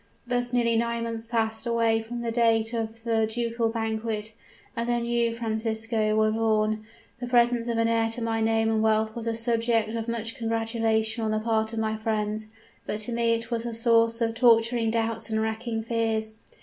Thus nearly nine months passed away from the date of the ducal banquet, and then you, Francisco, were born. The presence of an heir to my name and wealth was a subject of much congratulation on the part of my friends; but to me it was a source of torturing doubts and racking fears.